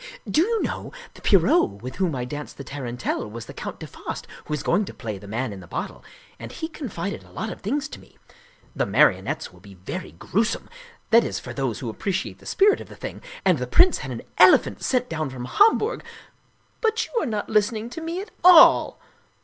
" Do you know, the Pierrot with whom I danced the taran telle was the Count de Faast, who is going to play The Man in the Bottle ; and he confided a lot of things to me : the marionettes will be very grewsome that is, for those who appreciate the spirit of the thing and the prince had an elephant sent down from Hamburg but you are not listening to me at all